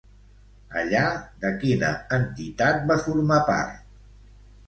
Allà, de quina entitat va formar part?